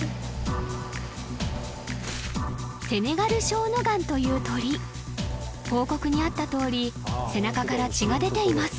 セネガルショウノガンという鳥報告にあったとおり背中から血が出ています